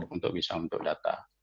untuk bisa untuk data